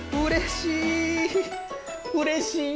うれしい！